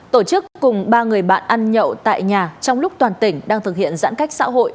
tổ chức cùng ba người bạn ăn nhậu tại nhà trong lúc toàn tỉnh đang thực hiện giãn cách xã hội